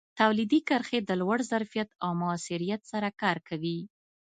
تولیدي کرښې د لوړ ظرفیت او موثریت سره کار کوي.